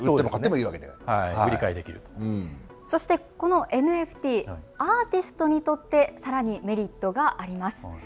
そして、このＮＦＴアーティストにとってさらに、メリットがあります。